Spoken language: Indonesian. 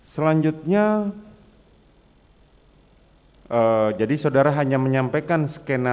selanjutnya jadi saudara hanya menyampaikan skenario pertama mengenai tk